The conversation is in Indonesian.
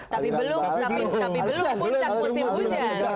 tapi belum tapi belum puncak musim hujan